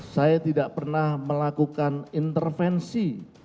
saya tidak pernah melakukan intervensi